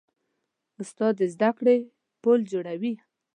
استاد د زدهکړې پل جوړوي.